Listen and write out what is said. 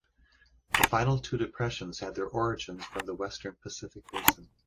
The final two depressions had their origins from the western Pacific basin.